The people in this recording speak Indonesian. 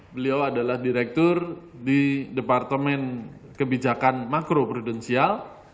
beliau adalah direktur di departemen kebijakan makroprudensial